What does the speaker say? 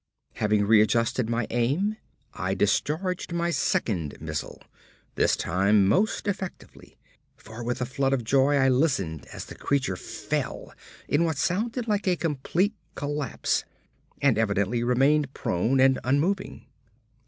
Having readjusted my aim, I discharged my second missile, this time most effectively, for with a flood of joy I listened as the creature fell in what sounded like a complete collapse and evidently remained prone and unmoving.